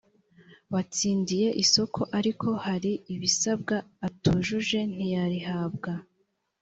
watsindiye isoko ariko hari ibisabwa atujuje ntiyarihabwa